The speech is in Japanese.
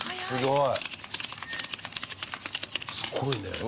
すごいね。